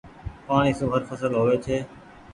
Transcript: پآڻيٚ سون هر ڦسل هووي ڇي۔